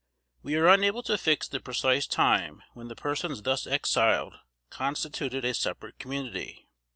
We are unable to fix the precise time when the persons thus exiled constituted a separate community.